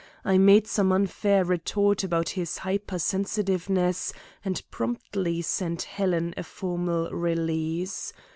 I made some unfair retort about his hyper sensitiveness, and promptly sent Helen a formal release.